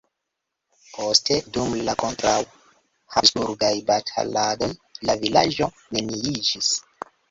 Poste dum la kontraŭ-Habsburgaj bataladoj la vilaĝo neniiĝis.